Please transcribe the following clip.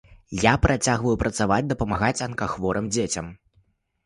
Я працягваю працаваць, дапамагаць анкахворым дзецям.